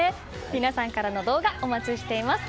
皆さんからの動画お待ちしています。